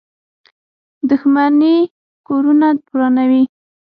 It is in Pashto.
• دښمني کورونه ورانوي.